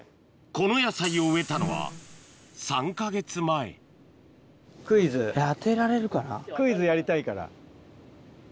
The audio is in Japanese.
この野菜を植えたのは３か月前クイズやりたいから。